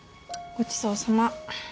ごちそうさま。